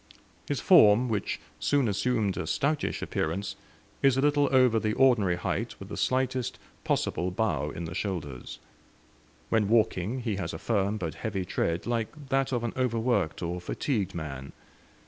His form, which soon assumed a stoutish appearance, is a little over the ordinary height with the slightest possible bow in the shoulders. When walking he has a firm but heavy tread, like that of an overworked or fatigued man.